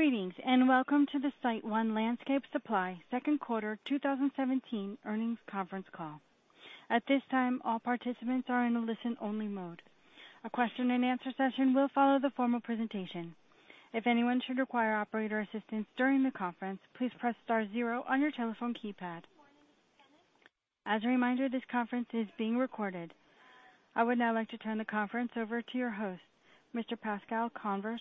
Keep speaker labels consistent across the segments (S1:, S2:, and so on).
S1: Greetings, welcome to the SiteOne Landscape Supply second quarter 2017 earnings conference call. At this time, all participants are in a listen-only mode. A question and answer session will follow the formal presentation. If anyone should require operator assistance during the conference, please press star zero on your telephone keypad. As a reminder, this conference is being recorded. I would now like to turn the conference over to your host, Mr. Pascal Convers,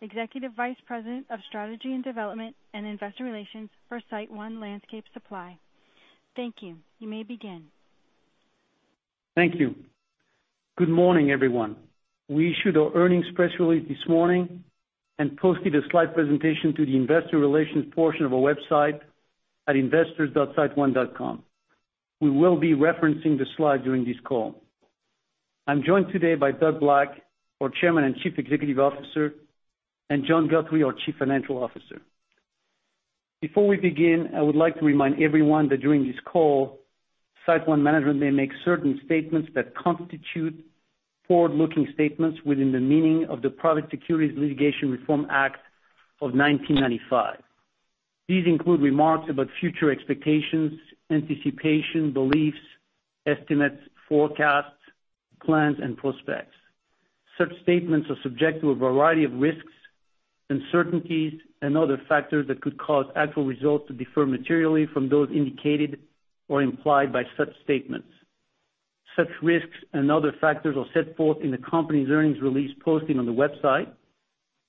S1: Executive Vice President of Strategy and Development and Investor Relations for SiteOne Landscape Supply. Thank you. You may begin.
S2: Thank you. Good morning, everyone. We issued our earnings press release this morning and posted a slide presentation to the investor relations portion of our website at investors.siteone.com. We will be referencing the slide during this call. I'm joined today by Doug Black, our Chairman and Chief Executive Officer, and John Guthrie, our Chief Financial Officer. Before we begin, I would like to remind everyone that during this call, SiteOne management may make certain statements that constitute forward-looking statements within the meaning of the Private Securities Litigation Reform Act of 1995. These include remarks about future expectations, anticipation, beliefs, estimates, forecasts, plans, and prospects. Such statements are subject to a variety of risks, uncertainties, and other factors that could cause actual results to differ materially from those indicated or implied by such statements. Such risks and other factors are set forth in the company's earnings release posting on the website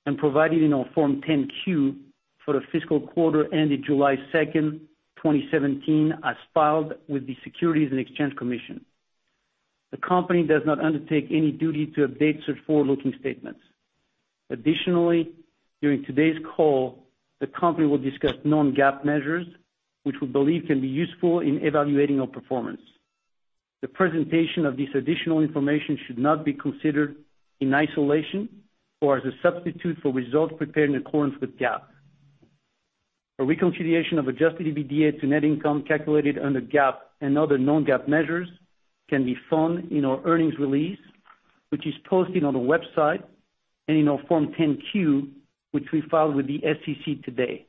S2: and provided in our Form 10-Q for the fiscal quarter ending July 2nd, 2017, as filed with the Securities and Exchange Commission. The company does not undertake any duty to update such forward-looking statements. Additionally, during today's call, the company will discuss non-GAAP measures, which we believe can be useful in evaluating our performance. The presentation of this additional information should not be considered in isolation or as a substitute for results prepared in accordance with GAAP. A reconciliation of adjusted EBITDA to net income calculated under GAAP and other non-GAAP measures can be found in our earnings release, which is posted on the website and in our Form 10-Q, which we filed with the SEC today.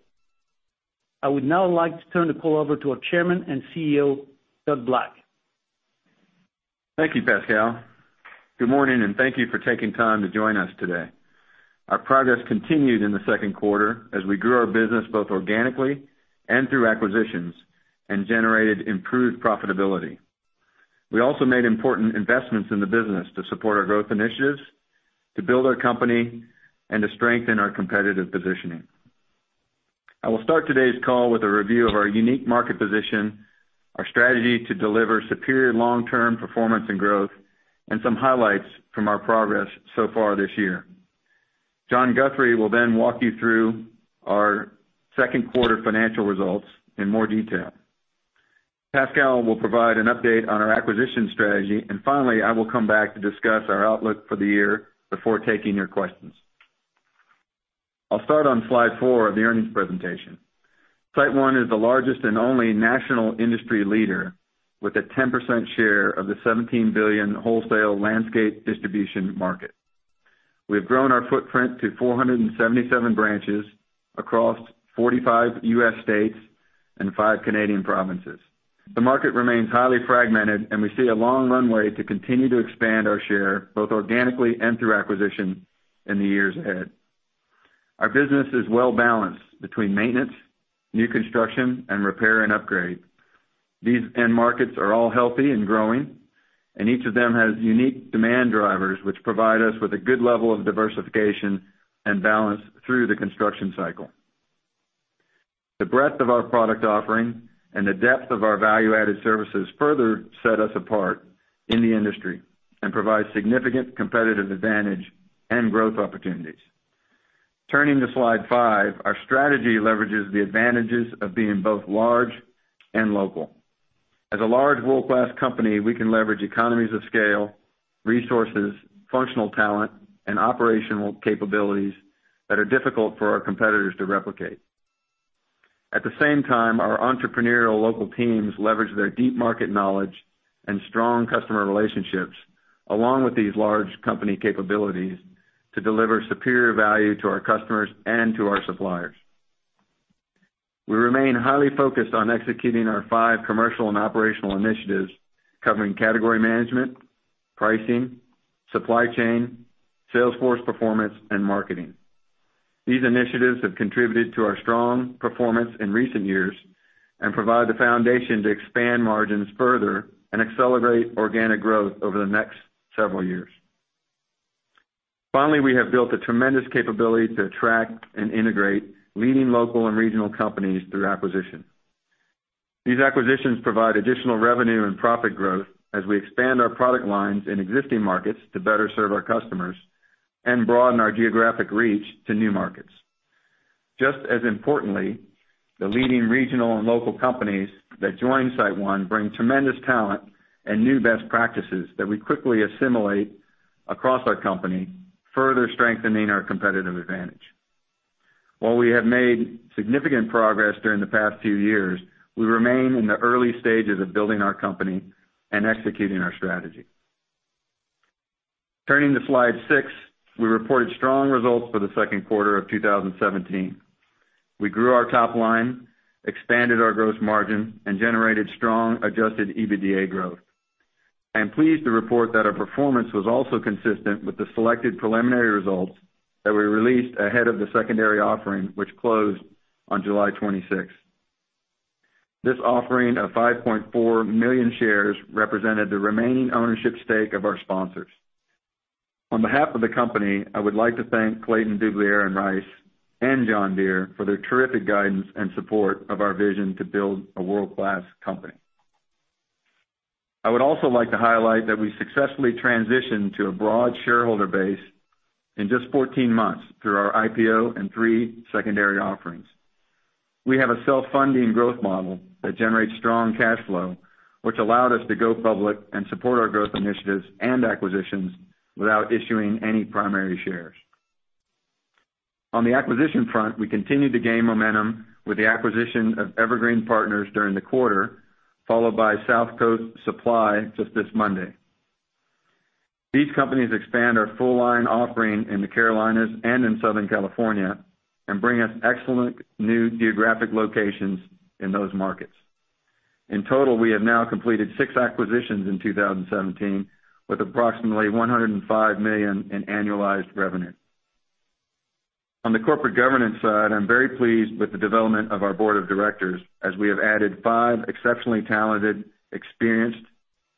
S2: I would now like to turn the call over to our Chairman and CEO, Doug Black.
S3: Thank you, Pascal. Good morning, thank you for taking time to join us today. Our progress continued in the second quarter as we grew our business both organically and through acquisitions and generated improved profitability. We also made important investments in the business to support our growth initiatives, to build our company, and to strengthen our competitive positioning. I will start today's call with a review of our unique market position, our strategy to deliver superior long-term performance and growth, and some highlights from our progress so far this year. John Guthrie will walk you through our second quarter financial results in more detail. Pascal will provide an update on our acquisition strategy. Finally, I will come back to discuss our outlook for the year before taking your questions. I'll start on slide four of the earnings presentation. SiteOne is the largest and only national industry leader with a 10% share of the $17 billion wholesale landscape distribution market. We've grown our footprint to 477 branches across 45 U.S. states and five Canadian provinces. The market remains highly fragmented, we see a long runway to continue to expand our share, both organically and through acquisition in the years ahead. Our business is well-balanced between maintenance, new construction, and repair and upgrade. These end markets are all healthy and growing, each of them has unique demand drivers, which provide us with a good level of diversification and balance through the construction cycle. The breadth of our product offering and the depth of our value-added services further set us apart in the industry and provide significant competitive advantage and growth opportunities. Turning to slide five, our strategy leverages the advantages of being both large and local. As a large world-class company, we can leverage economies of scale, resources, functional talent, and operational capabilities that are difficult for our competitors to replicate. At the same time, our entrepreneurial local teams leverage their deep market knowledge and strong customer relationships, along with these large company capabilities, to deliver superior value to our customers and to our suppliers. We remain highly focused on executing our five commercial and operational initiatives covering category management, pricing, supply chain, sales force performance, and marketing. These initiatives have contributed to our strong performance in recent years and provide the foundation to expand margins further and accelerate organic growth over the next several years. Finally, we have built a tremendous capability to attract and integrate leading local and regional companies through acquisition. These acquisitions provide additional revenue and profit growth as we expand our product lines in existing markets to better serve our customers and broaden our geographic reach to new markets. Just as importantly, the leading regional and local companies that join SiteOne bring tremendous talent and new best practices that we quickly assimilate across our company, further strengthening our competitive advantage. We have made significant progress during the past few years, we remain in the early stages of building our company and executing our strategy. Turning to slide six, we reported strong results for the second quarter of 2017. We grew our top line, expanded our gross margin, generated strong adjusted EBITDA growth. I am pleased to report that our performance was also consistent with the selected preliminary results that we released ahead of the secondary offering, which closed on July 26th. This offering of 5.4 million shares represented the remaining ownership stake of our sponsors. On behalf of the company, I would like to thank Clayton, Dubilier & Rice and John Deere for their terrific guidance and support of our vision to build a world-class company. I would also like to highlight that we successfully transitioned to a broad shareholder base in just 14 months through our IPO and three secondary offerings. We have a self-funding growth model that generates strong cash flow, which allowed us to go public and support our growth initiatives and acquisitions without issuing any primary shares. On the acquisition front, we continued to gain momentum with the acquisition of Evergreen Partners during the quarter, followed by South Coast Supply just this Monday. These companies expand our full line offering in the Carolinas and in Southern California and bring us excellent new geographic locations in those markets. In total, we have now completed six acquisitions in 2017, with approximately $105 million in annualized revenue. On the corporate governance side, I am very pleased with the development of our board of directors, as we have added five exceptionally talented, experienced,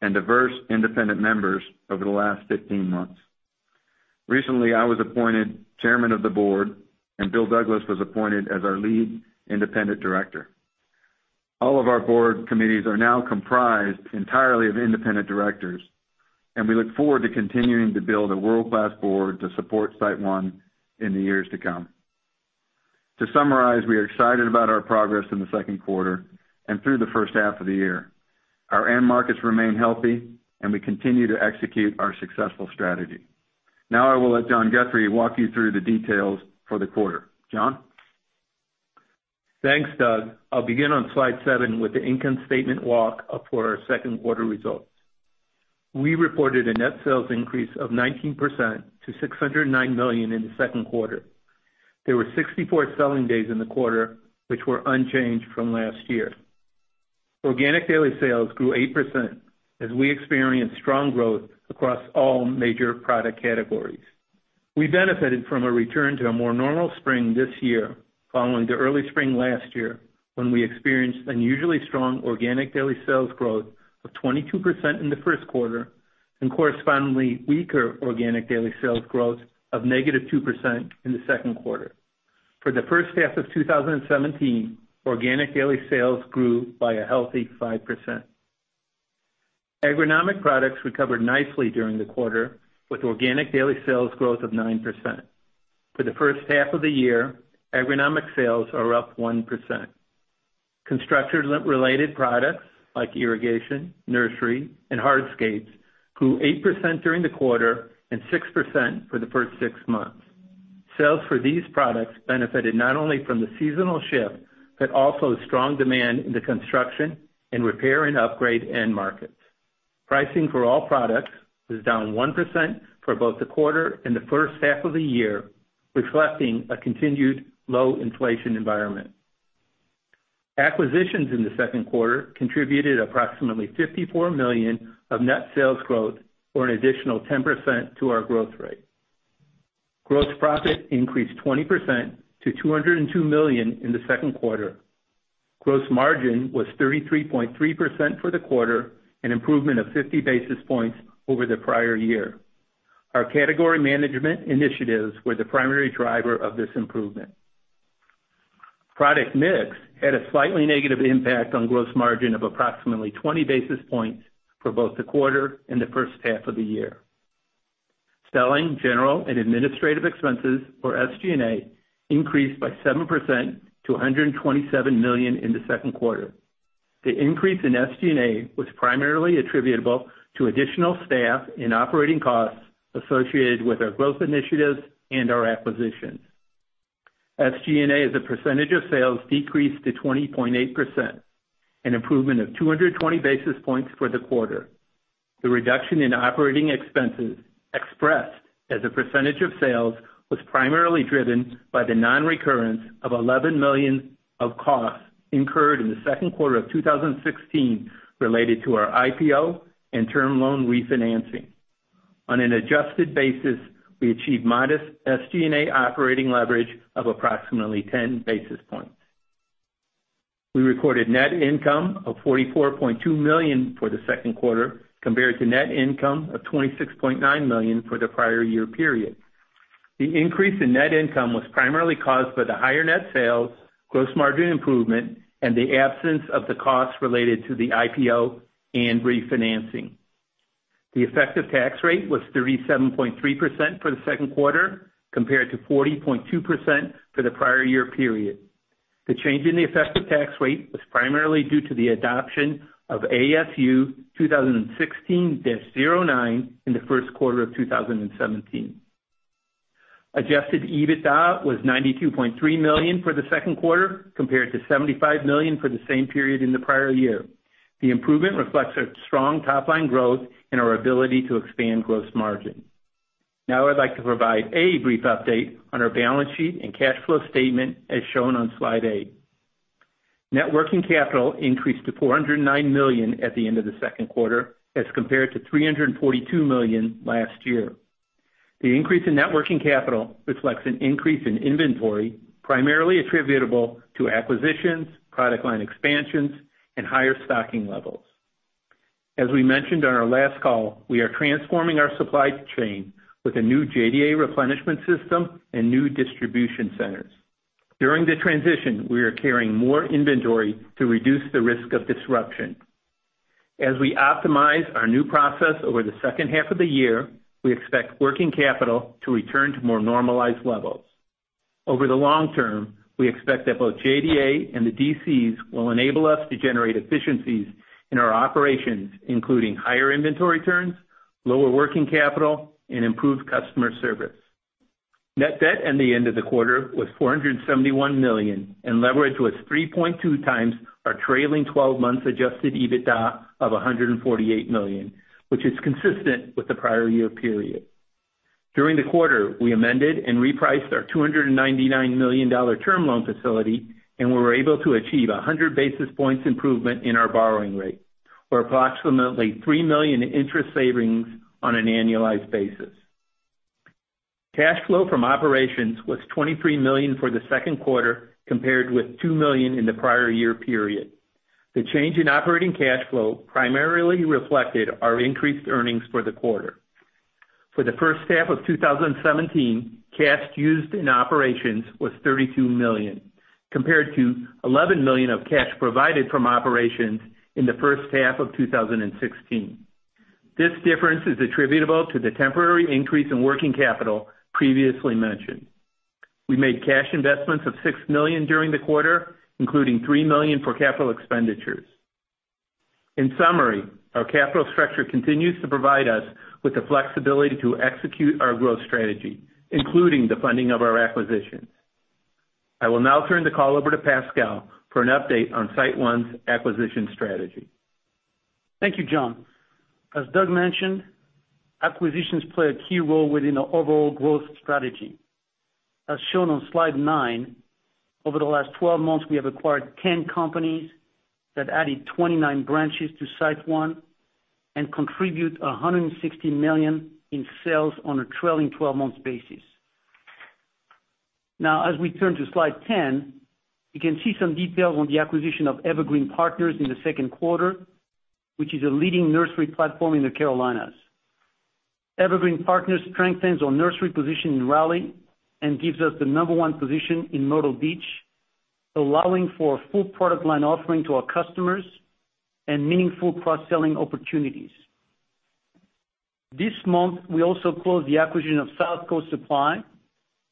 S3: and diverse independent members over the last 15 months. Recently, I was appointed chairman of the board, and Bill Douglas was appointed as our lead independent director. All of our board committees are now comprised entirely of independent directors, and we look forward to continuing to build a world-class board to support SiteOne in the years to come. To summarize, we are excited about our progress in the second quarter and through the first half of the year. Our end markets remain healthy, and we continue to execute our successful strategy. Now I will let John Guthrie walk you through the details for the quarter. John?
S4: Thanks, Doug. I will begin on slide seven with the income statement walk up for our second quarter results. We reported a net sales increase of 19% to $609 million in the second quarter. There were 64 selling days in the quarter, which were unchanged from last year. Organic daily sales grew 8% as we experienced strong growth across all major product categories. We benefited from a return to a more normal spring this year, following the early spring last year, when we experienced unusually strong organic daily sales growth of 22% in the first quarter and correspondingly weaker organic daily sales growth of negative 2% in the second quarter. For the first half of 2017, organic daily sales grew by a healthy 5%. Agronomic products recovered nicely during the quarter with organic daily sales growth of 9%. For the first half of the year, agronomic sales are up 1%. Construction-related products, like irrigation, nursery, and hardscapes, grew 8% during the quarter and 6% for the first six months. Sales for these products benefited not only from the seasonal shift but also strong demand in the construction and repair and upgrade end markets. Pricing for all products was down 1% for both the quarter and the first half of the year, reflecting a continued low inflation environment. Acquisitions in the second quarter contributed approximately $54 million of net sales growth or an additional 10% to our growth rate. Gross profit increased 20% to $202 million in the second quarter. Gross margin was 33.3% for the quarter, an improvement of 50 basis points over the prior year. Our category management initiatives were the primary driver of this improvement. Product mix had a slightly negative impact on gross margin of approximately 20 basis points for both the quarter and the first half of the year. Selling, general, and administrative expenses, or SG&A, increased by 7% to $127 million in the second quarter. The increase in SG&A was primarily attributable to additional staff and operating costs associated with our growth initiatives and our acquisitions. SG&A as a percentage of sales decreased to 20.8%, an improvement of 220 basis points for the quarter. The reduction in operating expenses, expressed as a percentage of sales, was primarily driven by the non-recurrence of $11 million of costs incurred in the second quarter of 2016 related to our IPO and term loan refinancing. On an adjusted basis, we achieved modest SG&A operating leverage of approximately 10 basis points. We recorded net income of $44.2 million for the second quarter, compared to net income of $26.9 million for the prior year period. The increase in net income was primarily caused by the higher net sales, gross margin improvement, and the absence of the costs related to the IPO and refinancing. The effective tax rate was 37.3% for the second quarter, compared to 40.2% for the prior year period. The change in the effective tax rate was primarily due to the adoption of ASU 2016-09 in the first quarter of 2017. Adjusted EBITDA was $92.3 million for the second quarter, compared to $75 million for the same period in the prior year. The improvement reflects our strong top-line growth and our ability to expand gross margin. I'd like to provide a brief update on our balance sheet and cash flow statement as shown on slide eight. Net working capital increased to $409 million at the end of the second quarter as compared to $342 million last year. The increase in net working capital reflects an increase in inventory, primarily attributable to acquisitions, product line expansions, and higher stocking levels. As we mentioned on our last call, we are transforming our supply chain with a new JDA replenishment system and new distribution centers. During the transition, we are carrying more inventory to reduce the risk of disruption. As we optimize our new process over the second half of the year, we expect working capital to return to more normalized levels. Over the long term, we expect that both JDA and the DCs will enable us to generate efficiencies in our operations, including higher inventory turns, lower working capital, and improved customer service. Net debt at the end of the quarter was $471 million. Leverage was 3.2 times our trailing 12 months adjusted EBITDA of $148 million, which is consistent with the prior year period. During the quarter, we amended and repriced our $299 million term loan facility. We were able to achieve 100 basis points improvement in our borrowing rate, or approximately $3 million in interest savings on an annualized basis. Cash flow from operations was $23 million for the second quarter, compared with $2 million in the prior year period. The change in operating cash flow primarily reflected our increased earnings for the quarter. For the first half of 2017, cash used in operations was $32 million, compared to $11 million of cash provided from operations in the first half of 2016. This difference is attributable to the temporary increase in working capital previously mentioned. We made cash investments of $6 million during the quarter, including $3 million for capital expenditures. In summary, our capital structure continues to provide us with the flexibility to execute our growth strategy, including the funding of our acquisitions. I will now turn the call over to Pascal for an update on SiteOne's acquisition strategy.
S2: Thank you, John. As Doug mentioned, acquisitions play a key role within our overall growth strategy. As shown on slide nine, over the last 12 months, we have acquired 10 companies that added 29 branches to SiteOne and contribute $160 million in sales on a trailing 12-month basis. As we turn to slide 10, you can see some details on the acquisition of Evergreen Partners in the second quarter, which is a leading nursery platform in the Carolinas. Evergreen Partners strengthens our nursery position in Raleigh and gives us the number 1 position in Myrtle Beach, allowing for a full product line offering to our customers and meaningful cross-selling opportunities. This month, we also closed the acquisition of South Coast Supply,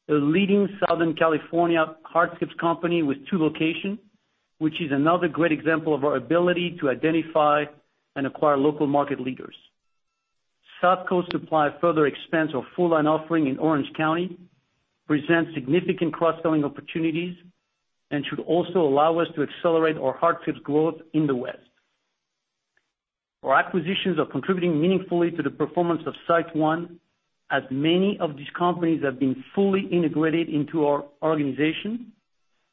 S2: a leading Southern California hardscapes company with two locations, which is another great example of our ability to identify and acquire local market leaders. South Coast Supply further expands our full line offering in Orange County, presents significant cross-selling opportunities, should also allow us to accelerate our hardscapes growth in the West. Our acquisitions are contributing meaningfully to the performance of SiteOne, as many of these companies have been fully integrated into our organization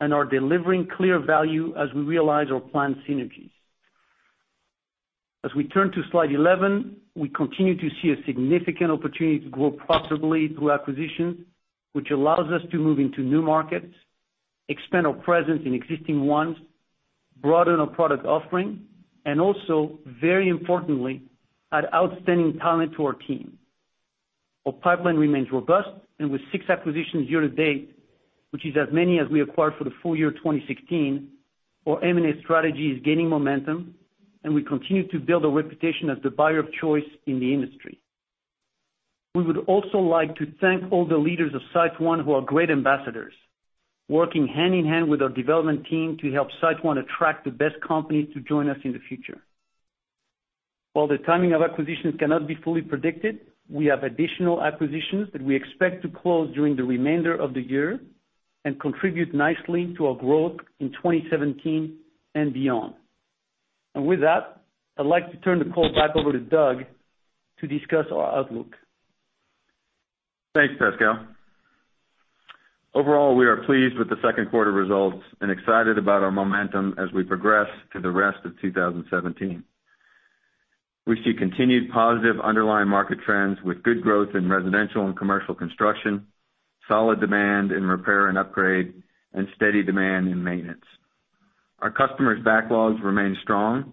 S2: and are delivering clear value as we realize our planned synergies. As we turn to slide 11, we continue to see a significant opportunity to grow profitably through acquisitions, which allows us to move into new markets, expand our presence in existing ones, broaden our product offering, also, very importantly, add outstanding talent to our team. Our pipeline remains robust, with six acquisitions year to date, which is as many as we acquired for the full year 2016, our M&A strategy is gaining momentum, we continue to build a reputation as the buyer of choice in the industry. We would also like to thank all the leaders of SiteOne who are great ambassadors, working hand-in-hand with our development team to help SiteOne attract the best companies to join us in the future. While the timing of acquisitions cannot be fully predicted, we have additional acquisitions that we expect to close during the remainder of the year and contribute nicely to our growth in 2017 and beyond. With that, I'd like to turn the call back over to Doug to discuss our outlook.
S3: Thanks, Pascal. Overall, we are pleased with the second quarter results, excited about our momentum as we progress to the rest of 2017. We see continued positive underlying market trends with good growth in residential and commercial construction, solid demand in repair and upgrade, steady demand in maintenance. Our customers' backlogs remain strong,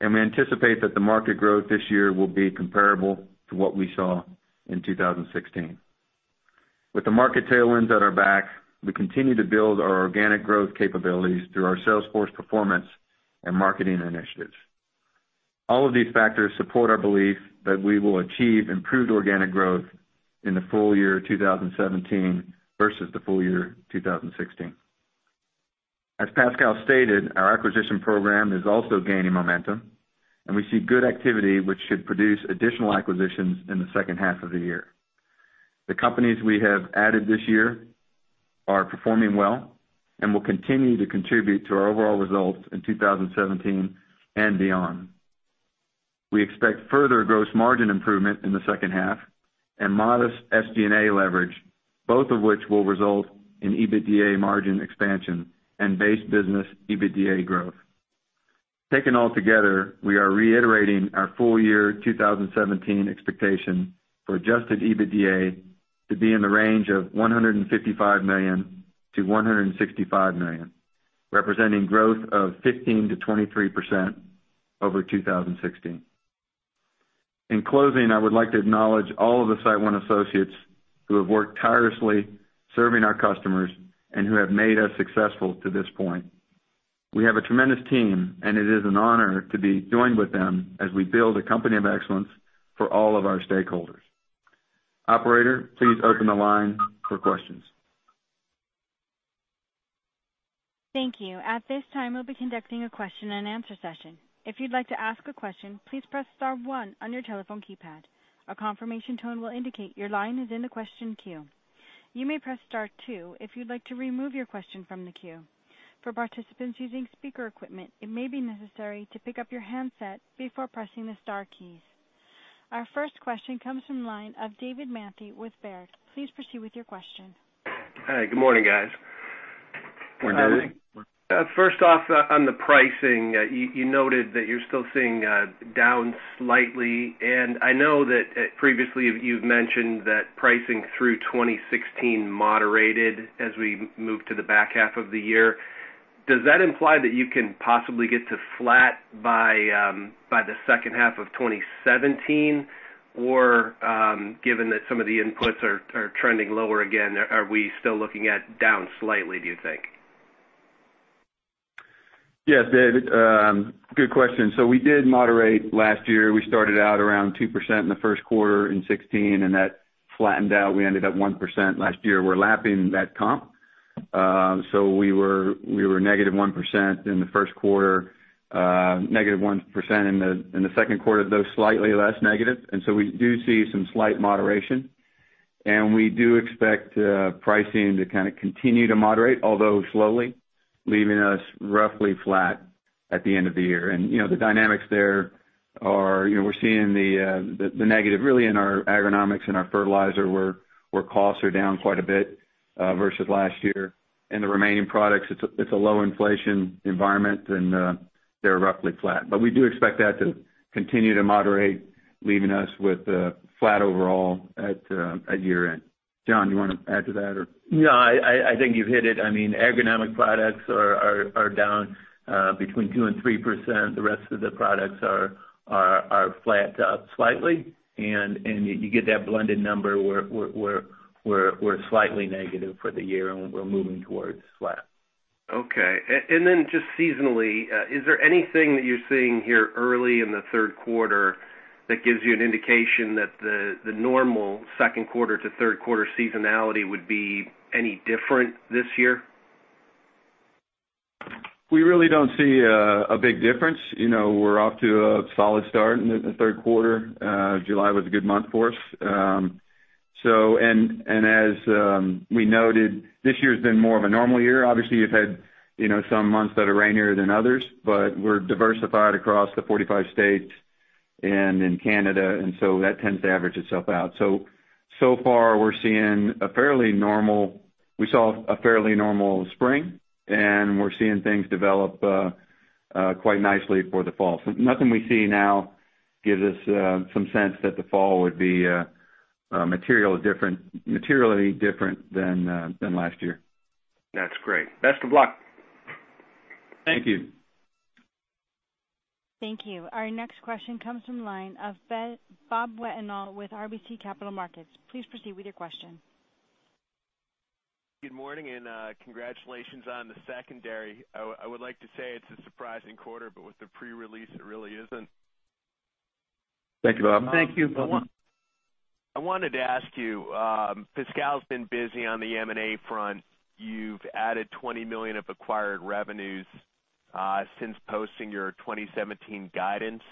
S3: we anticipate that the market growth this year will be comparable to what we saw in 2016. With the market tailwinds at our back, we continue to build our organic growth capabilities through our sales force performance and marketing initiatives. All of these factors support our belief that we will achieve improved organic growth in the full year 2017 versus the full year 2016. As Pascal stated, our acquisition program is also gaining momentum, and we see good activity, which should produce additional acquisitions in the second half of the year. The companies we have added this year are performing well and will continue to contribute to our overall results in 2017 and beyond. We expect further gross margin improvement in the second half and modest SG&A leverage, both of which will result in EBITDA margin expansion and base business EBITDA growth. Taken altogether, we are reiterating our full year 2017 expectation for adjusted EBITDA to be in the range of $155 million-$165 million, representing growth of 15%-23% over 2016. In closing, I would like to acknowledge all of the SiteOne associates who have worked tirelessly serving our customers and who have made us successful to this point. We have a tremendous team, and it is an honor to be joined with them as we build a company of excellence for all of our stakeholders. Operator, please open the line for questions.
S1: Thank you. At this time, we'll be conducting a question and answer session. If you'd like to ask a question, please press star one on your telephone keypad. A confirmation tone will indicate your line is in the question queue. You may press star two if you'd like to remove your question from the queue. For participants using speaker equipment, it may be necessary to pick up your handset before pressing the star keys. Our first question comes from the line of David Manthey with Baird. Please proceed with your question.
S5: Hi, good morning, guys.
S3: Morning, David.
S5: First off, on the pricing, you noted that you're still seeing down slightly, and I know that previously you've mentioned that pricing through 2016 moderated as we moved to the back half of the year. Does that imply that you can possibly get to flat by the second half of 2017? Or, given that some of the inputs are trending lower again, are we still looking at down slightly, do you think?
S3: Yes, David. Good question. We did moderate last year. We started out around 2% in the first quarter in 2016, and that flattened out. We ended up 1% last year. We're lapping that comp. We were negative 1% in the first quarter, negative 1% in the second quarter, though slightly less negative. We do see some slight moderation. We do expect pricing to kind of continue to moderate, although slowly, leaving us roughly flat at the end of the year. The dynamics there are we're seeing the negative really in our agronomics and our fertilizer, where costs are down quite a bit versus last year. In the remaining products, it's a low inflation environment and they're roughly flat. We do expect that to continue to moderate, leaving us with flat overall at year-end. John, you want to add to that or?
S4: No, I think you've hit it. Agronomic products are down between 2% and 3%. The rest of the products are flat to up slightly. You get that blended number where we're slightly negative for the year, and we're moving towards flat.
S5: Okay. Just seasonally, is there anything that you're seeing here early in the third quarter that gives you an indication that the normal second quarter to third quarter seasonality would be any different this year?
S3: We really don't see a big difference. We're off to a solid start in the third quarter. July was a good month for us. As we noted, this year's been more of a normal year. Obviously, you've had some months that are rainier than others, but we're diversified across the 45 states and in Canada, that tends to average itself out. So far we saw a fairly normal spring, and we're seeing things develop quite nicely for the fall. Nothing we see now gives us some sense that the fall would be materially different than last year.
S5: That's great. Best of luck.
S3: Thank you.
S1: Thank you. Our next question comes from the line of Robert Wetenhall with RBC Capital Markets. Please proceed with your question.
S6: Good morning, and congratulations on the secondary. I would like to say it's a surprising quarter, but with the pre-release, it really isn't.
S3: Thanks, Bob.
S4: Thank you, Bob.
S6: I wanted to ask you, Pascal's been busy on the M&A front. You've added $20 million of acquired revenues since posting your 2017 guidance.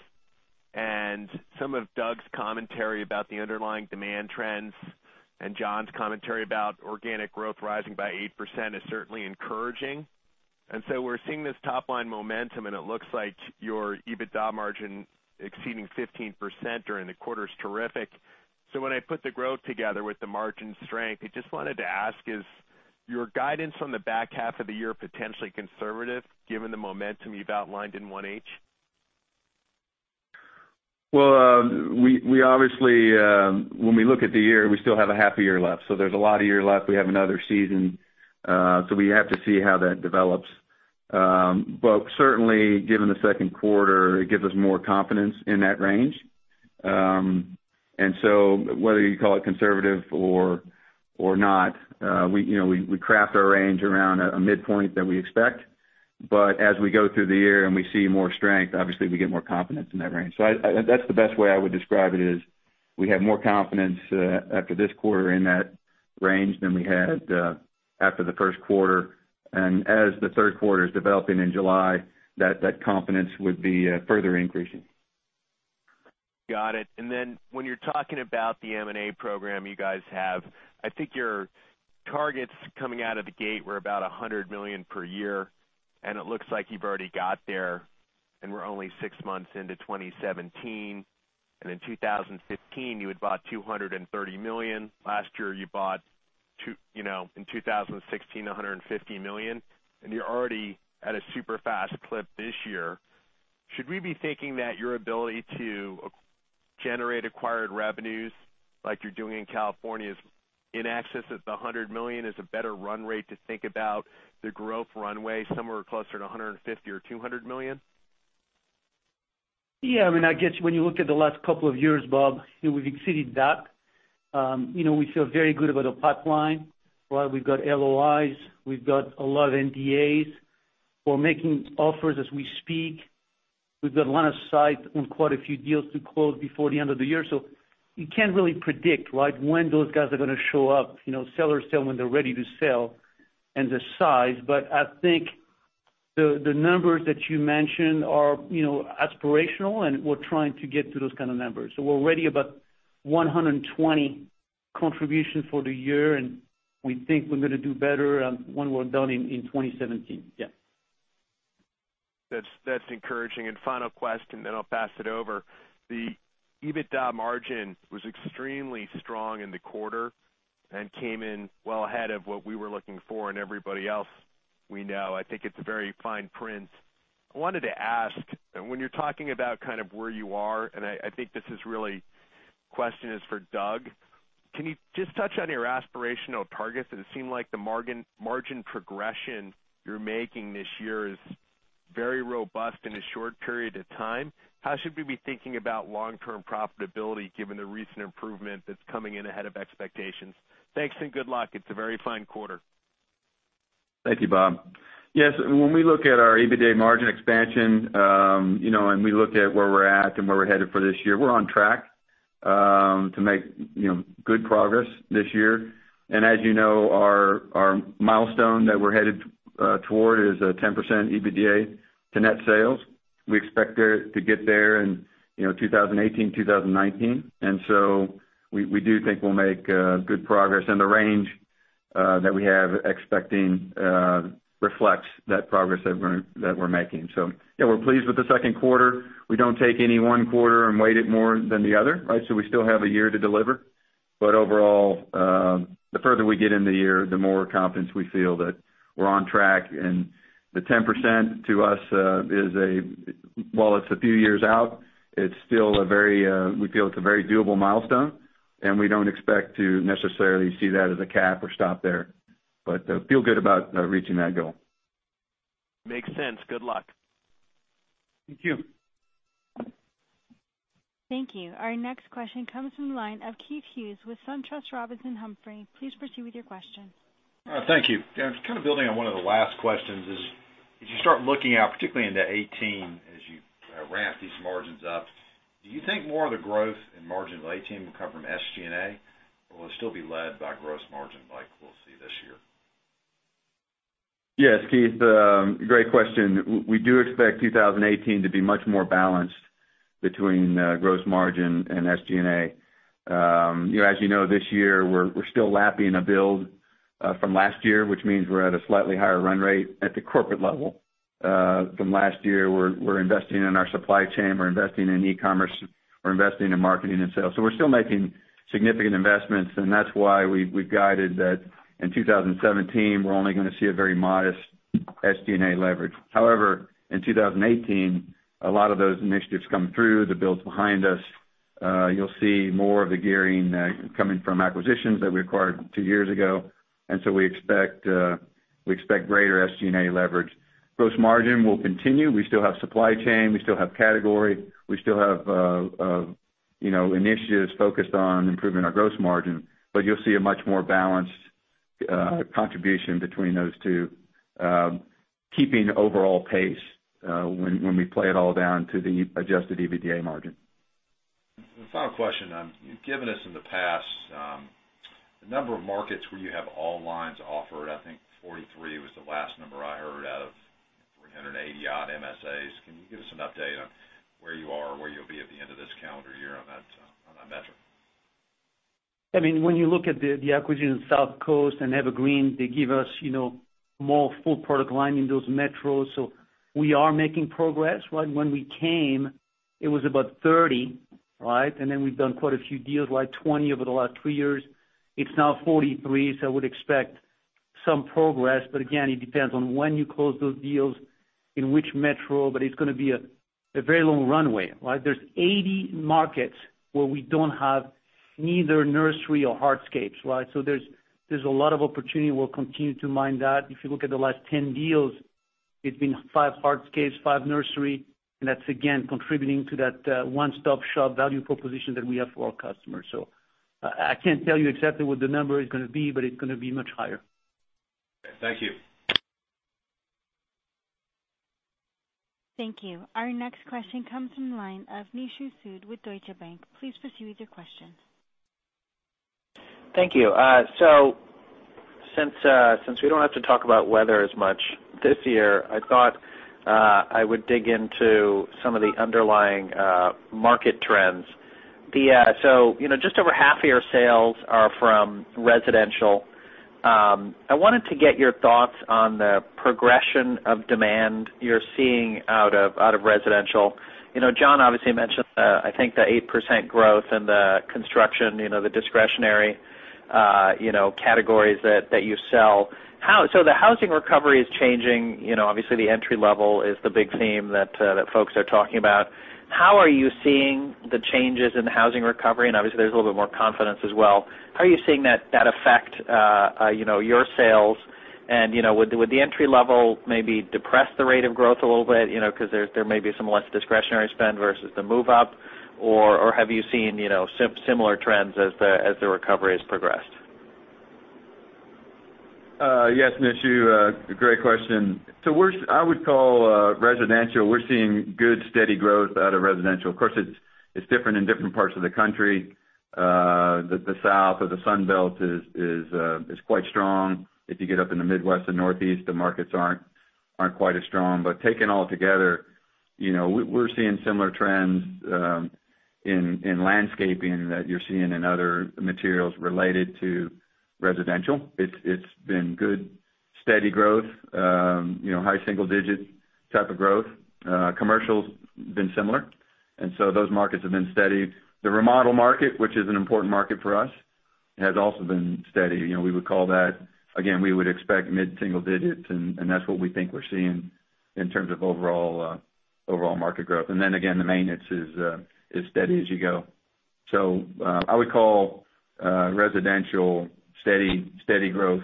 S6: Some of Doug's commentary about the underlying demand trends and John's commentary about organic growth rising by 8% is certainly encouraging. We're seeing this top-line momentum, and it looks like your EBITDA margin exceeding 15% during the quarter is terrific. When I put the growth together with the margin strength, I just wanted to ask, is your guidance on the back half of the year potentially conservative given the momentum you've outlined in 1H?
S3: Well, when we look at the year, we still have a half a year left. There's a lot of year left. We have another season. We have to see how that develops. Certainly, given the second quarter, it gives us more confidence in that range. Whether you call it conservative or not, we craft our range around a midpoint that we expect, but as we go through the year and we see more strength, obviously we get more confidence in that range. That's the best way I would describe it is, we have more confidence after this quarter in that range than we had after the first quarter. As the third quarter is developing in July, that confidence would be further increasing.
S6: Got it. When you're talking about the M&A program you guys have, I think your targets coming out of the gate were about $100 million per year, and it looks like you've already got there, and we're only six months into 2017. In 2015 you had bought $230 million. Last year, you bought, in 2016, $150 million, and you're already at a super fast clip this year. Should we be thinking that your ability to generate acquired revenues like you're doing in California is in excess of the $100 million is a better run rate to think about the growth runway somewhere closer to $150 million or $200 million?
S2: Yeah. I guess when you look at the last couple of years, Bob, we've exceeded that. We feel very good about our pipeline. We've got LOIs. We've got a lot of NDAs. We're making offers as we speak. We've got line of sight on quite a few deals to close before the end of the year. You can't really predict when those guys are going to show up. Sellers sell when they're ready to sell, and the size. I think the numbers that you mentioned are aspirational, and we're trying to get to those kind of numbers. We're already about $120 million contribution for the year, and we think we're going to do better when we're done in 2017. Yeah.
S6: That's encouraging. Final question, then I'll pass it over. The EBITDA margin was extremely strong in the quarter and came in well ahead of what we were looking for and everybody else we know. I think it's very fine print. I wanted to ask, when you're talking about where you are, and I think this question is for Doug, can you just touch on your aspirational targets? It seemed like the margin progression you're making this year is very robust in a short period of time. How should we be thinking about long-term profitability given the recent improvement that's coming in ahead of expectations? Thanks, and good luck. It's a very fine quarter.
S3: Thank you, Bob. Yes, when we look at our EBITDA margin expansion, we look at where we're at and where we're headed for this year, we're on track to make good progress this year. As you know, our milestone that we're headed toward is a 10% EBITDA to net sales. We expect to get there in 2018, 2019. We do think we'll make good progress, and the range that we have expecting reflects that progress that we're making. Yeah, we're pleased with the second quarter. We don't take any one quarter and weight it more than the other. We still have a year to deliver. Overall, the further we get in the year, the more confidence we feel that we're on track. The 10% to us, while it's a few years out, we feel it's a very doable milestone, and we don't expect to necessarily see that as a cap or stop there. Feel good about reaching that goal.
S6: Makes sense. Good luck.
S2: Thank you.
S1: Thank you. Our next question comes from the line of Keith Hughes with SunTrust Robinson Humphrey. Please proceed with your question.
S7: Thank you. Kind of building on one of the last questions is, as you start looking out, particularly into 2018, as you ramp these margins up, do you think more of the growth in margin of 2018 will come from SG&A, or will it still be led by gross margin like we'll see this year?
S3: Yes, Keith. Great question. We do expect 2018 to be much more balanced between gross margin and SG&A. As you know, this year, we're still lapping a build from last year, which means we're at a slightly higher run rate at the corporate level. From last year, we're investing in our supply chain, we're investing in e-commerce, we're investing in marketing and sales. We're still making significant investments, and that's why we've guided that in 2017, we're only going to see a very modest SG&A leverage. However, in 2018, a lot of those initiatives come through, the build's behind us. You'll see more of the gearing coming from acquisitions that we acquired two years ago. We expect greater SG&A leverage. Gross margin will continue. We still have supply chain. We still have category. We still have initiatives focused on improving our gross margin. You'll see a much more balanced contribution between those two, keeping overall pace when we play it all down to the adjusted EBITDA margin.
S7: Final question. You've given us in the past the number of markets where you have all lines offered. I think 43 was the last number I heard out of 380-odd MSAs. Can you give us an update on where you are or where you'll be at the end of this calendar year on that metric?
S2: When you look at the acquisition in South Coast and Evergreen, they give us more full product line in those metros. We are making progress. When we came, it was about 30. Then we've done quite a few deals, like 20 over the last three years. It's now 43. I would expect some progress. Again, it depends on when you close those deals, in which metro, but it's going to be a very long runway. There's 80 markets where we don't have neither Nursery or Hardscapes. There's a lot of opportunity. We'll continue to mine that. If you look at the last 10 deals, it's been five Hardscapes, five Nursery, that's, again, contributing to that one-stop-shop value proposition that we have for our customers. I can't tell you exactly what the number is going to be, but it's going to be much higher.
S7: Thank you.
S1: Thank you. Our next question comes from the line of Nishu Sood with Deutsche Bank. Please proceed with your question.
S8: Thank you. Since we don't have to talk about weather as much this year, I thought I would dig into some of the underlying market trends. Just over half of your sales are from residential. I wanted to get your thoughts on the progression of demand you're seeing out of residential. John obviously mentioned, I think the 8% growth in the construction, the discretionary categories that you sell. The housing recovery is changing. Obviously, the entry-level is the big theme that folks are talking about. How are you seeing the changes in the housing recovery? Obviously, there's a little bit more confidence as well. How are you seeing that affect your sales? Would the entry-level maybe depress the rate of growth a little bit, because there may be some less discretionary spend versus the move-up? Have you seen similar trends as the recovery has progressed?
S3: Yes, Nishu, great question. I would call residential, we're seeing good, steady growth out of residential. Of course, it's different in different parts of the country. The South or the Sun Belt is quite strong. If you get up in the Midwest and Northeast, the markets aren't quite as strong. But taken all together, we're seeing similar trends in landscaping that you're seeing in other materials related to residential. It's been good, steady growth, high single digit type of growth. Commercial's been similar, those markets have been steady. The remodel market, which is an important market for us, has also been steady. Again, we would expect mid-single digits, and that's what we think we're seeing in terms of overall market growth. Again, the maintenance is steady as you go. I would call residential steady growth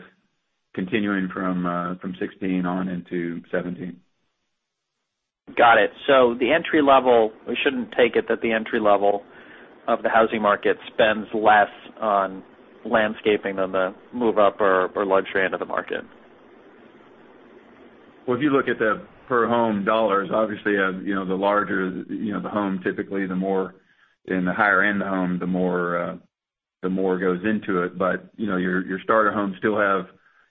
S3: continuing from 2016 on into 2017.
S8: Got it. We shouldn't take it that the entry level of the housing market spends less on landscaping than the move-up or luxury end of the market.
S3: Well, if you look at the per home dollars, obviously, the larger the home, typically, in the higher end home, the more goes into it. Your starter homes still have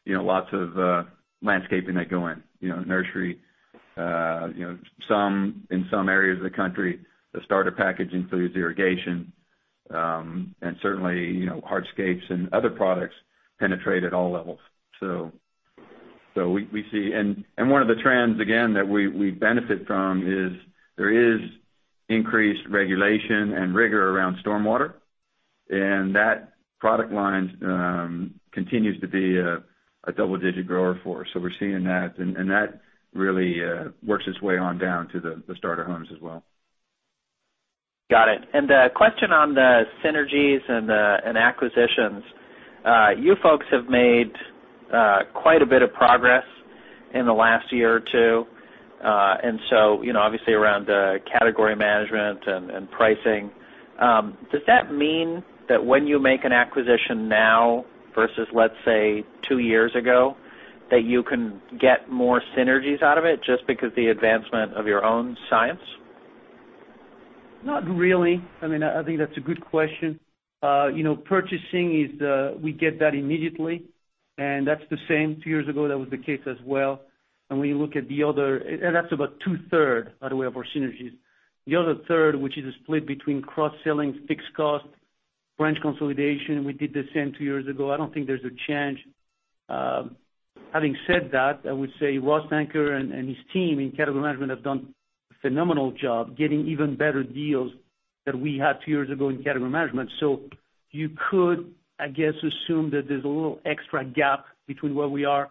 S3: lots of landscaping that go in, nursery. In some areas of the country, the starter package includes irrigation. Certainly, hardscapes and other products penetrate at all levels. One of the trends, again, that we benefit from is there is increased regulation and rigor around stormwater, and that product line continues to be a double-digit grower for us. We're seeing that, and that really works its way on down to the starter homes as well.
S8: Got it. A question on the synergies and acquisitions. You folks have made quite a bit of progress in the last year or two. Obviously around category management and pricing. Does that mean that when you make an acquisition now versus, let's say, two years ago, that you can get more synergies out of it just because of the advancement of your own science?
S2: Not really. I think that's a good question. Purchasing, we get that immediately, and that's the same. Two years ago, that was the case as well. That's about two-third, by the way, of our synergies. The other third, which is a split between cross-selling, fixed cost, branch consolidation, we did the same two years ago. I don't think there's a change. Having said that, I would say Ross Anker and his team in category management have done a phenomenal job getting even better deals that we had two years ago in category management. You could, I guess, assume that there's a little extra gap between where we are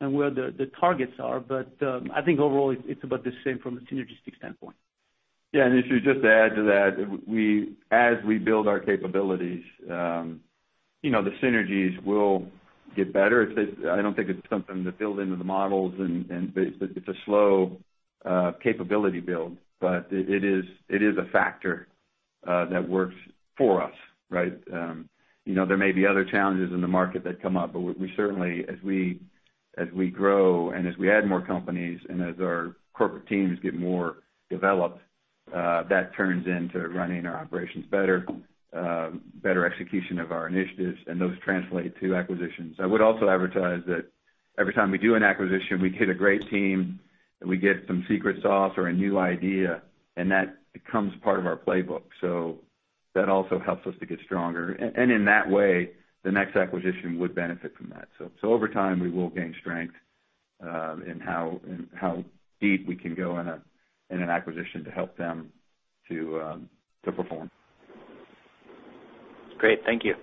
S2: and where the targets are. I think overall, it's about the same from a synergistic standpoint.
S3: Yeah, Nishu, just to add to that, as we build our capabilities, the synergies will get better. I don't think it's something that's built into the models, and it's a slow capability build, but it is a factor that works for us, right? There may be other challenges in the market that come up, but we certainly, as we grow and as we add more companies and as our corporate teams get more developed, that turns into running our operations better execution of our initiatives, and those translate to acquisitions. I would also advertise that every time we do an acquisition, we get a great team, and we get some secret sauce or a new idea, and that becomes part of our playbook. That also helps us to get stronger. In that way, the next acquisition would benefit from that. Over time, we will gain strength in how deep we can go in an acquisition to help them to perform.
S8: Great. Thank you.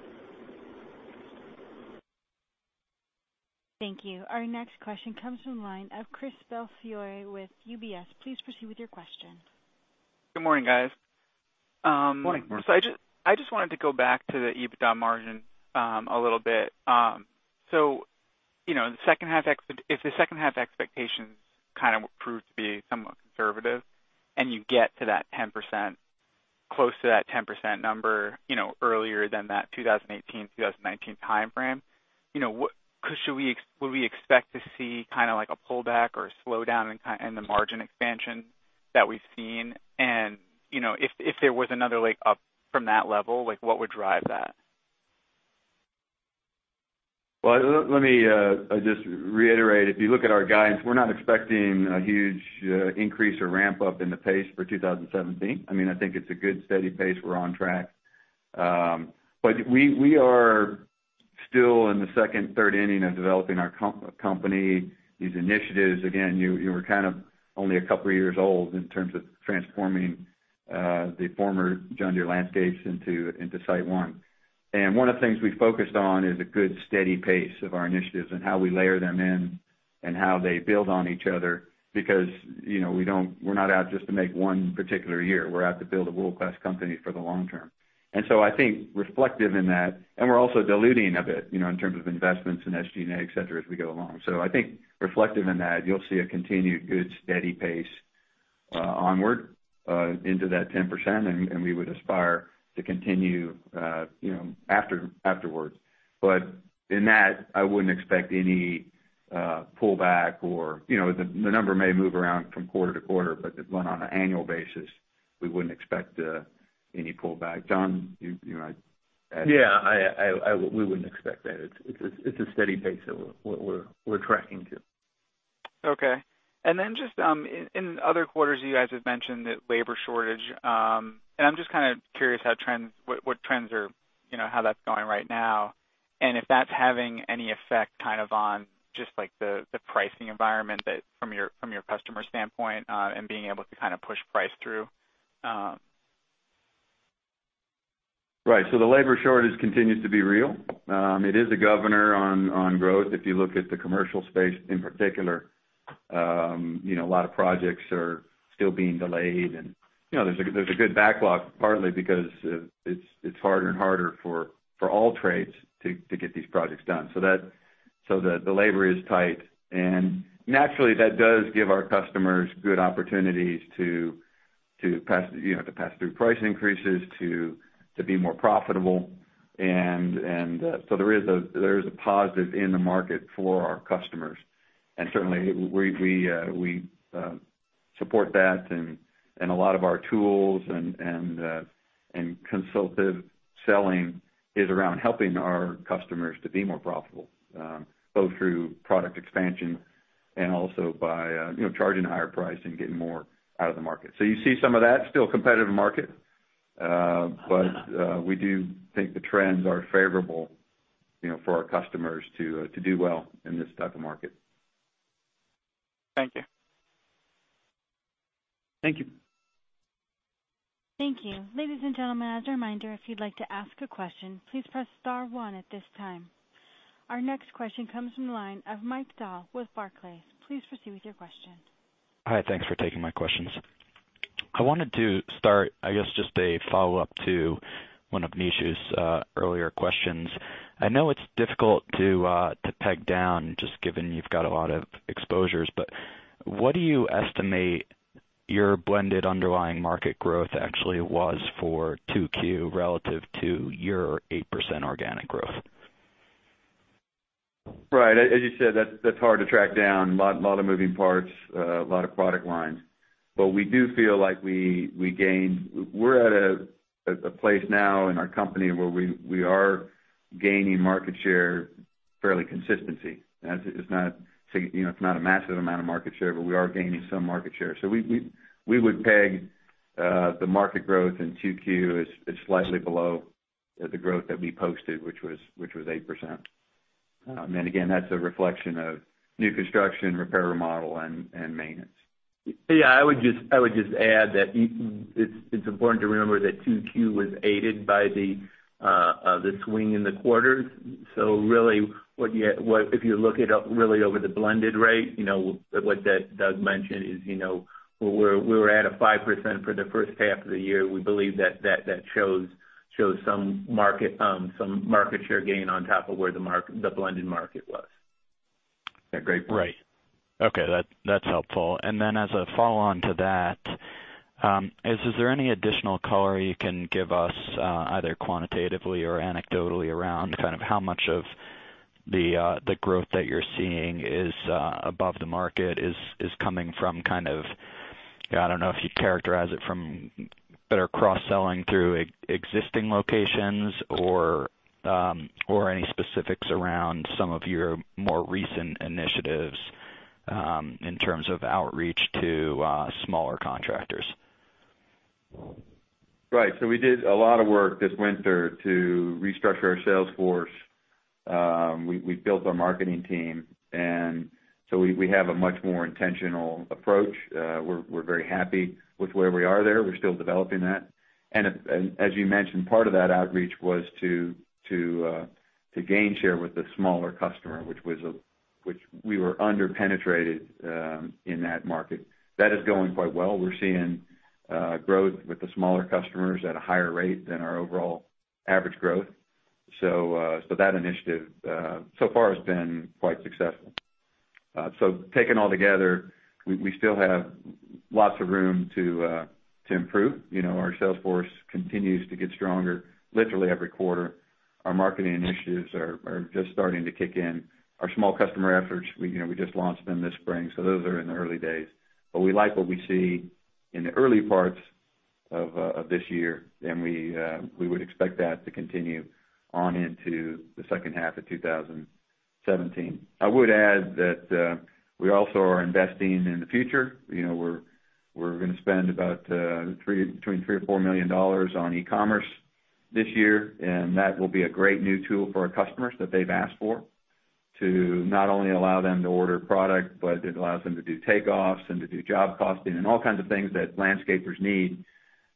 S1: Thank you. Our next question comes from the line of Christopher Belfiore with UBS. Please proceed with your question.
S9: Good morning, guys.
S3: Morning.
S9: I just wanted to go back to the EBITDA margin a little bit. If the second half expectations kind of prove to be somewhat conservative and you get to that 10% close to that 10% number, earlier than that 2018, 2019 timeframe. Would we expect to see a pullback or a slowdown in the margin expansion that we've seen? If there was another up from that level, what would drive that?
S3: Well, let me just reiterate. If you look at our guidance, we're not expecting a huge increase or ramp-up in the pace for 2017. I think it's a good, steady pace. We're on track. We are still in the second, third inning of developing our company, these initiatives. Again, you were only a couple of years old in terms of transforming the former John Deere Landscapes into SiteOne. One of the things we focused on is a good, steady pace of our initiatives, and how we layer them in, and how they build on each other, because we're not out just to make one particular year. We're out to build a world-class company for the long term. We're also diluting a bit, in terms of investments in SG&A, et cetera, as we go along. I think reflective in that, you'll see a continued good, steady pace onward into that 10%, we would aspire to continue afterwards. In that, I wouldn't expect any pullback. The number may move around from quarter to quarter, but on an annual basis, we wouldn't expect any pullback. John, you might add?
S4: Yeah. We wouldn't expect that. It's a steady pace that we're tracking to.
S9: Okay. In other quarters, you guys have mentioned that labor shortage. I'm just curious what trends are, how that's going right now, and if that's having any effect on just the pricing environment from your customer standpoint, and being able to push price through.
S3: Right. The labor shortage continues to be real. It is a governor on growth. If you look at the commercial space in particular, a lot of projects are still being delayed, and there's a good backlog, partly because it's harder and harder for all trades to get these projects done. The labor is tight, and naturally, that does give our customers good opportunities to pass through price increases, to be more profitable. There is a positive in the market for our customers. Certainly, we support that, and a lot of our tools and consultative selling is around helping our customers to be more profitable, both through product expansion and also by charging a higher price and getting more out of the market. You see some of that. Still a competitive market. We do think the trends are favorable for our customers to do well in this type of market.
S9: Thank you.
S4: Thank you.
S1: Thank you. Ladies and gentlemen, as a reminder, if you'd like to ask a question, please press star 1 at this time. Our next question comes from the line of Mike Dahl with Barclays. Please proceed with your question.
S10: Hi. Thanks for taking my questions. I wanted to start, I guess, just a follow-up to one of Nishu's earlier questions. I know it's difficult to peg down, just given you've got a lot of exposures, but what do you estimate your blended underlying market growth actually was for 2Q relative to your 8% organic growth?
S3: Right. As you said, that's hard to track down. A lot of moving parts, a lot of product lines. We do feel like we gained. We're at a place now in our company where we are gaining market share fairly consistently. It's not a massive amount of market share, but we are gaining some market share. We would peg the market growth in 2Q as slightly below the growth that we posted, which was 8%. Again, that's a reflection of new construction, repair, remodel, and maintenance.
S4: Yeah, I would just add that it's important to remember that 2Q was aided by the swing in the quarters. Really, if you look at it really over the blended rate, what Doug mentioned is we were at a 5% for the first half of the year. We believe that shows some market share gain on top of where the blended market was.
S3: Yeah, great point.
S10: Right. Okay, that's helpful. As a follow-on to that, is there any additional color you can give us, either quantitatively or anecdotally, around how much of the growth that you're seeing is above the market, is coming from, I don't know if you'd characterize it from better cross-selling through existing locations, or any specifics around some of your more recent initiatives in terms of outreach to smaller contractors?
S3: Right. We did a lot of work this winter to restructure our sales force. We built our marketing team. We have a much more intentional approach. We're very happy with where we are there. We're still developing that. As you mentioned, part of that outreach was to gain share with the smaller customer, which we were under-penetrated in that market. That is going quite well. We're seeing growth with the smaller customers at a higher rate than our overall average growth. That initiative so far has been quite successful. Taken all together, we still have lots of room to improve. Our sales force continues to get stronger literally every quarter. Our marketing initiatives are just starting to kick in. Our small customer efforts, we just launched them this spring. Those are in the early days. We like what we see in the early parts of this year, and we would expect that to continue on into the second half of 2017. I would add that we also are investing in the future. We're going to spend about between $3 million or $4 million on e-commerce this year. That will be a great new tool for our customers that they've asked for, to not only allow them to order product, but it allows them to do takeoffs and to do job costing and all kinds of things that landscapers need.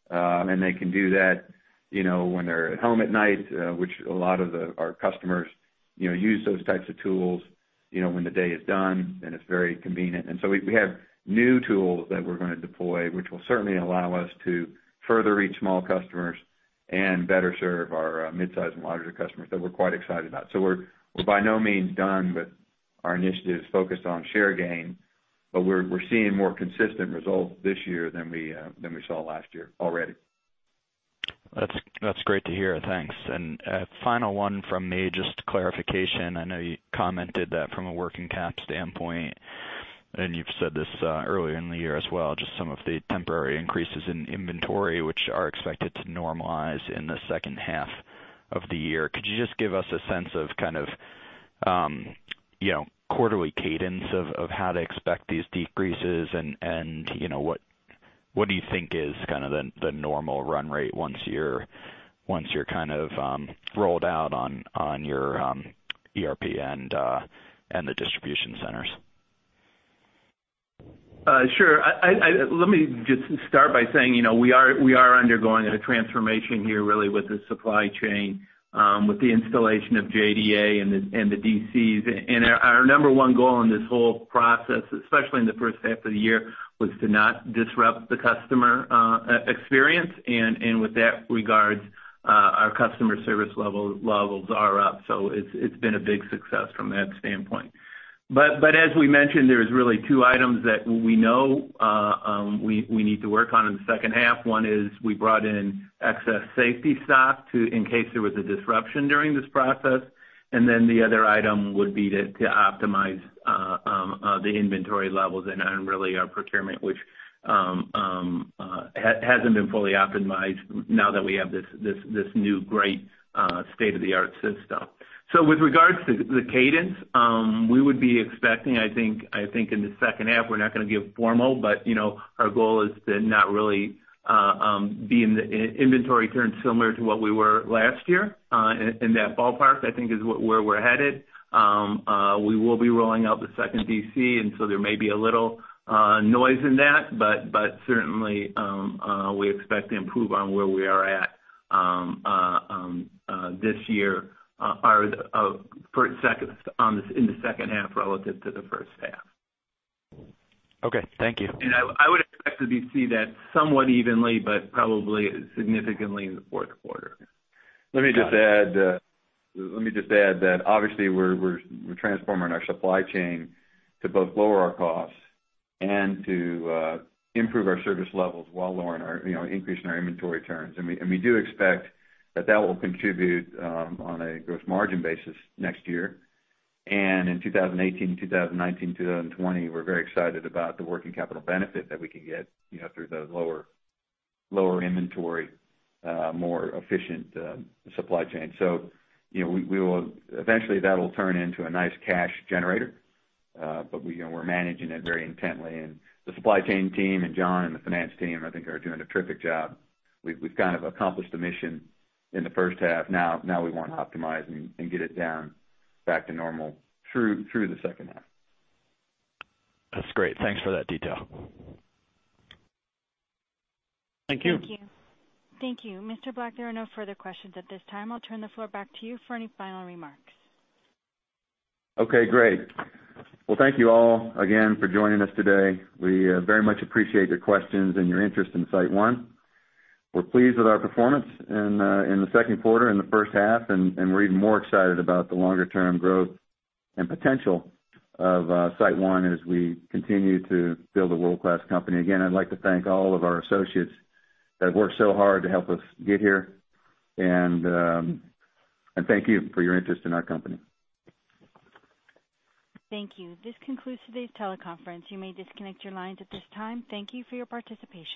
S3: They can do that when they're at home at night, which a lot of our customers use those types of tools when the day is done, and it's very convenient. We have new tools that we're going to deploy, which will certainly allow us to further reach small customers and better serve our midsize and larger customers that we're quite excited about. We're by no means done with our initiatives focused on share gain. We're seeing more consistent results this year than we saw last year already.
S10: That's great to hear. Thanks. A final one from me, just clarification. I know you commented that from a working cap standpoint. You've said this earlier in the year as well, just some of the temporary increases in inventory, which are expected to normalize in the second half of the year. Could you just give us a sense of kind of quarterly cadence of how to expect these decreases? What do you think is kind of the normal run rate once you're kind of rolled out on your ERP and the Distribution Centers?
S4: Sure. Let me just start by saying, we are undergoing a transformation here really with the supply chain, with the installation of JDA and the DCs. Our number one goal in this whole process, especially in the first half of the year, was to not disrupt the customer experience. With that regard, our customer service levels are up. It's been a big success from that standpoint. As we mentioned, there's really two items that we know we need to work on in the second half. One is we brought in excess safety stock in case there was a disruption during this process. The other item would be to optimize the inventory levels and really our procurement, which hasn't been fully optimized now that we have this new great state-of-the-art system. With regards to the cadence, we would be expecting, I think in the second half, we're not going to give formal, but our goal is to not really be in the inventory turn similar to what we were last year. In that ballpark, I think is where we're headed. We will be rolling out the second DC, there may be a little noise in that. Certainly, we expect to improve on where we are at this year in the second half relative to the first half.
S10: Okay. Thank you.
S4: I would expect to see that somewhat evenly, but probably significantly in the fourth quarter.
S3: Let me just add that obviously we're transforming our supply chain to both lower our costs and to improve our service levels while increase in our inventory turns. We do expect that that will contribute on a gross margin basis next year. In 2018, 2019, 2020, we're very excited about the working capital benefit that we can get through the lower inventory, more efficient supply chain. Eventually, that'll turn into a nice cash generator. We're managing it very intently, and the supply chain team and John and the finance team I think are doing a terrific job. We've kind of accomplished a mission in the first half. Now we want to optimize and get it down back to normal through the second half.
S10: That's great. Thanks for that detail.
S3: Thank you.
S1: Thank you. Thank you. Mr. Black, there are no further questions at this time. I'll turn the floor back to you for any final remarks.
S3: Okay, great. Well, thank you all again for joining us today. We very much appreciate your questions and your interest in SiteOne. We are pleased with our performance in the second quarter and the first half, and we are even more excited about the longer-term growth and potential of SiteOne as we continue to build a world-class company. Again, I'd like to thank all of our associates that have worked so hard to help us get here, and thank you for your interest in our company.
S1: Thank you. This concludes today's teleconference. You may disconnect your lines at this time. Thank you for your participation.